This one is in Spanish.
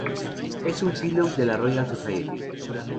Es un Fellow de la Royal Society.